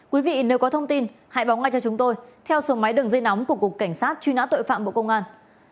quý vị nếu có thông tin hãy báo ngay cho chúng tôi theo số máy đường dây nóng của cục cảnh sát truy nã tội phạm bộ công an